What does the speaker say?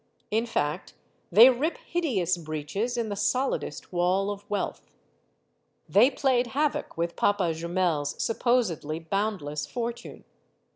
In fact, they rip hideous breaches in the solidest wall of wealth. They played havoc with Papa Jumel's supposedly boundless fortune.